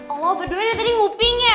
oh berduanya tadi nguping ya